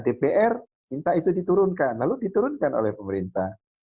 dpr minta itu diturunkan lalu diturunkan oleh pemerintah